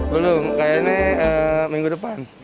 belum kayaknya minggu depan